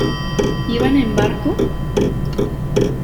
Iban en barco?